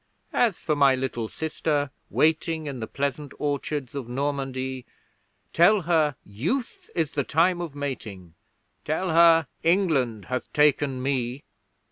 As for my little Sister waiting In the pleasant orchards of Normandie; Tell her youth is the time of mating Tell her England hath taken me!